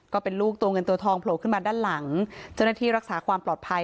ก็เป็นลูกตัวเงินตัวทองโผล่ขึ้นมาด้านหลังเจ้าหน้าที่รักษาความปลอดภัย